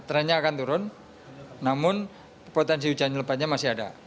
trendnya akan turun namun potensi hujan lebatnya masih ada